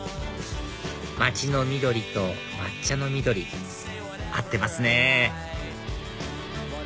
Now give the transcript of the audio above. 街の緑と抹茶の緑合ってますね